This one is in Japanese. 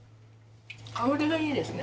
香りがいいですね